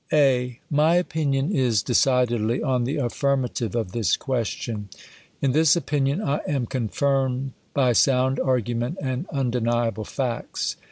J, 1\ /TY opinion is decidedly on the affirmative oi ' i.VA this question. In this opinion I am con firmed by sound argument and undeniable facts.